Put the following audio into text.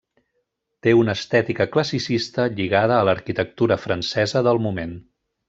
Té una estètica classicista lligada a l'arquitectura francesa del moment.